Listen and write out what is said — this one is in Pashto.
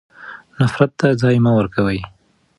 نفرت ته ځای مه ورکوئ.